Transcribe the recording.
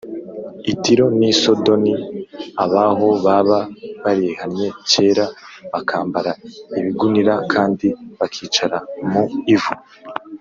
i Tiro n i Sidoni abaho baba barihannye kera bakambara ibigunira kandi bakicara mu ivu